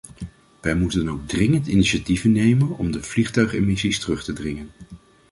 Wij moeten dan ook dringend initiatieven nemen om de vliegtuigemissies terug te dringen.